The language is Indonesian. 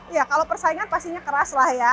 iya kalau persaingan pastinya keras lah ya